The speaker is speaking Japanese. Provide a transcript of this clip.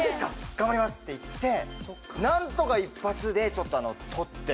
頑張ります」って言って何とか一発でちょっと撮って。